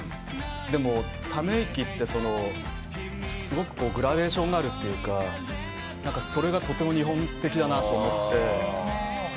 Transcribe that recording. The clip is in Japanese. でも、ため息ってすごくグラデーションがあるというか、それがとても日本的だなと思って。